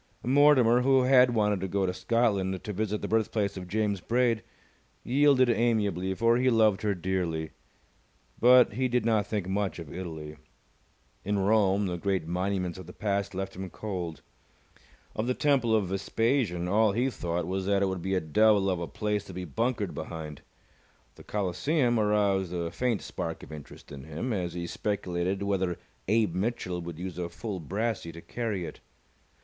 Mortimer, who had wanted to go to Scotland to visit the birthplace of James Braid, yielded amiably, for he loved her dearly. But he did not think much of Italy. In Rome, the great monuments of the past left him cold. Of the Temple of Vespasian, all he thought was that it would be a devil of a place to be bunkered behind. The Colosseum aroused a faint spark of interest in him, as he speculated whether Abe Mitchell would use a full brassey to carry it.